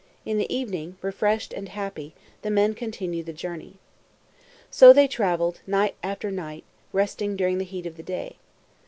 In the evening, refreshed and happy, the men continued the journey. So they traveled night after night, resting during the heat of the day.